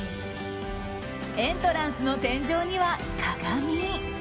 エントランスの天井には鏡。